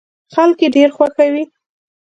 خلک يې ډېر خوښوي.